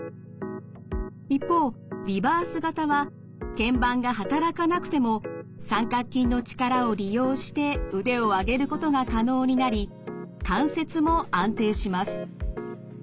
一方リバース型はけん板が働かなくても三角筋の力を利用して腕を上げることが可能になり関節も安定します。